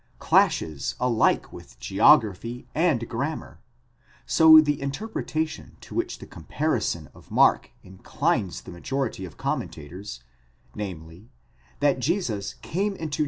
clashes alike: with geography and grammar, so the interpretation to which the comparison: of Mark inclines the majority of commentators, namely, that Jesus came into.